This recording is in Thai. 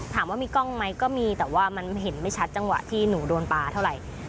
ถามว่ามีกล้องไหมก็มีแต่ว่ามันเห็นไม่ชัดจังหวะที่หนูโดนปลาเท่าไหร่